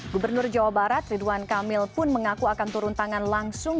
gubernur jawa barat ridwan kamil pun mengaku akan turun tangan langsung